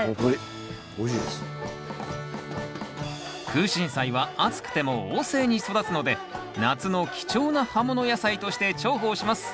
クウシンサイは暑くても旺盛に育つので夏の貴重な葉物野菜として重宝します。